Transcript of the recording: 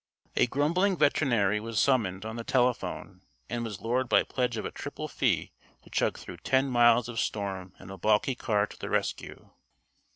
A grumbling veterinary was summoned on the telephone and was lured by pledge of a triple fee to chug through ten miles of storm in a balky car to the rescue.